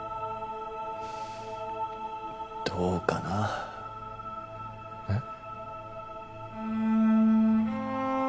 どうかな。え？